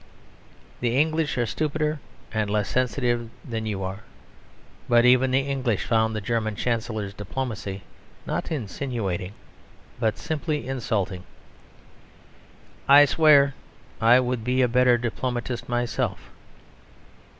The English are stupider and less sensitive than you are; but even the English found the German Chancellor's diplomacy not insinuating but simply insulting; I swear I would be a better diplomatist myself.